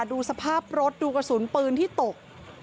ดูสภาพรถดูกระสุนปืนที่ตก